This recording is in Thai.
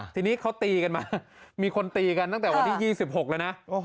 ทีนี้เขาตีกันมามีคนตีกันตั้งแต่วันที่๒๖แล้วนะ